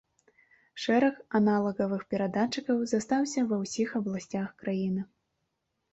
Шэраг аналагавых перадатчыкаў застаўся ва ўсіх абласцях краіны.